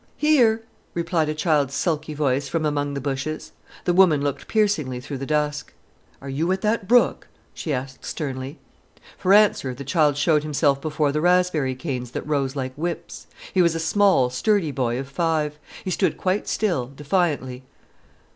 "Here!" replied a child's sulky voice from among the bushes. The woman looked piercingly through the dusk. "Are you at that brook?" she asked sternly. For answer the child showed himself before the raspberry canes that rose like whips. He was a small, sturdy boy of five. He stood quite still, defiantly.